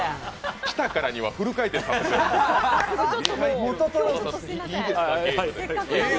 来たからにはフル回転させる。